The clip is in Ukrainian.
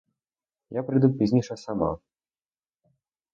Я прийду пізніше сама.